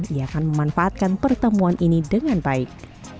ia akan memanfaatkan pertemuan ini dengan baik